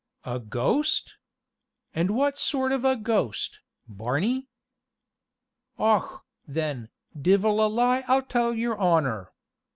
"A ghost? And what sort of a ghost, Barney?" "Och, then, divil a lie I'll tell your honor.